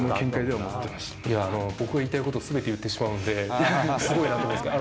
僕が言いたいことをすべて言ってしまうんで、すごいなと思うんですが。